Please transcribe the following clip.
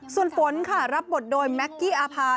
ส่วนฝนค่ะรับบทโดยแม็กกี้อาภา